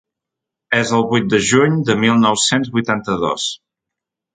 És el vuit de juny de mil nou-cents vuitanta-dos.